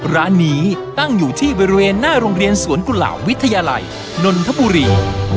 ร้านนี้ตั้งอยู่ที่บริเวณหน้าโรงเรียนสวนกุหลาบวิทยาลัยนนทบุรี